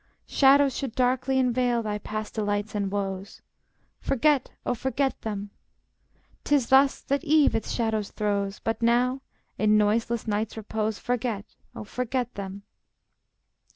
Shadows should darkly Enveil thy past delights and woes. Forget, oh, forget them! 'Tis thus that eve its shadows throws; But now, in noiseless night's repose, Forget, oh, forget them!